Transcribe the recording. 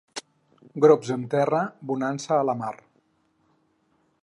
Grops en terra, bonança a la mar.